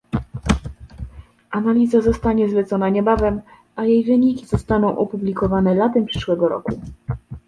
Analiza zostanie zlecona niebawem, a jej wyniki zostaną opublikowane latem przyszłego roku